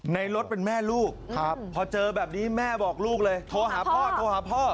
ในรถเป็นแม่ลูกพอเจอแบบนี้แม่บอกลูกเลยโทรหาพ่อโทรหาพ่อ